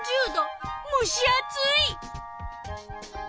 むし暑い！